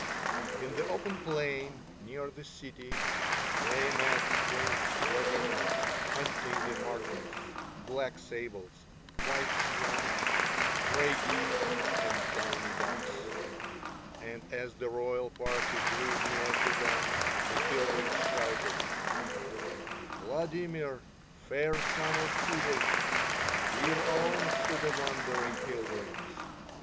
In the open plain near the city they met Prince Vladimir hunting the martens, black sables, white swans, grey geese, and downy ducks, and as the royal party drew near to them the pilgrims shouted: "Vladimir, Fair Sun of Kiev, give alms to the wandering pilgrims.